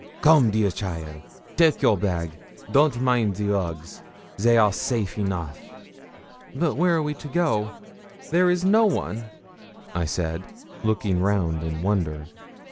'Come, dear cheaile, take your bag; don't mind the rugs, they are safe enough.' 'But where are we to go? There is no one!' I said, looking round in wonder.